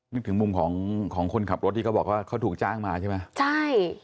นึกถึงมุมของของคนขับรถที่เขาบอกว่าเขาถูกจ้างมาใช่ไหมใช่